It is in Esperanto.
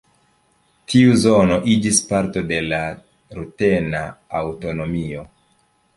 Tiu zono iĝis parto de la rutena aŭtonomio.